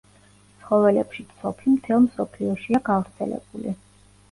ცხოველებში ცოფი მთელ მსოფლიოშია გავრცელებული.